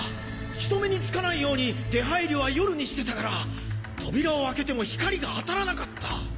人目につかないように出入りは夜にしてたから扉を開けても光が当たらなかった。